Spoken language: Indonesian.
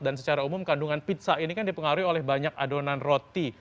dan secara umum kandungan pizza ini kan dipengaruhi oleh banyak adonan roti